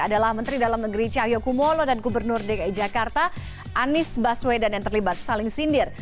adalah menteri dalam negeri cahyokumolo dan gubernur dki jakarta anies baswedan yang terlibat saling sindir